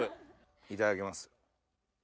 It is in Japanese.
いただきます。